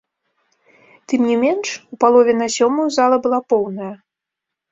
Тым не менш, у палове на сёмую зала была поўная.